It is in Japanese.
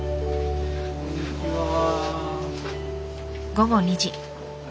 午後２時。